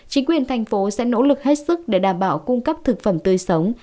chính quyền thành phố sẽ nỗ lực hết sức để đảm bảo cung cấp thực phẩm tươi sống